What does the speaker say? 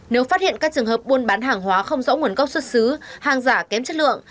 nếu phát hiện các trường hợp buôn bán hàng hóa không rõ nguồn gốc xuất xứ hàng giả kém chất lượng